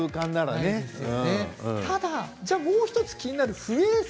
ただ、もう１つ気になる不衛生。